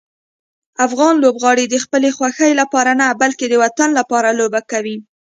افغان لوبغاړي د خپلې خوښۍ لپاره نه، بلکې د وطن لپاره لوبه کوي.